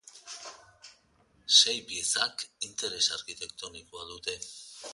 Sei piezak interes arkitektonikoa dute.